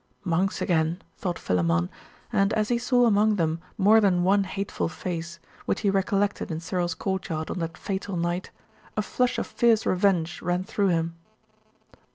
'Monks again!' thought Philammon and as he saw among them more than one hateful face, which he recollected in Cyril's courtyard on that fatal night, a flush of fierce revenge ran through him.